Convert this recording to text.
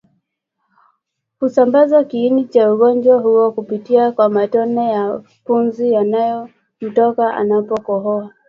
husambaza kiini cha ugonjwa huo kupitia kwa matone ya pumzi yanayomtoka anapokohoa